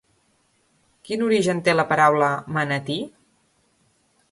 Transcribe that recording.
Quin origen té la paraula manatí?